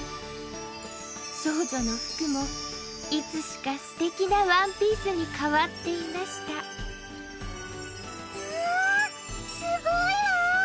少女の服もいつしかすてきなワンピースに変わっていましたわっすごいわ！